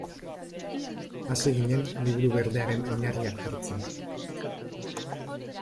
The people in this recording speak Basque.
Hasi ginen Liburu Berdearen oinarriak jartzen.